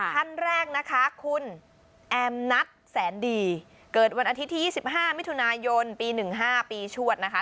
ท่านแรกนะคะคุณแอมนัทแสนดีเกิดวันอาทิตย์ที่ยี่สิบห้ามิถุนายนปีหนึ่งห้าปีชวดนะคะ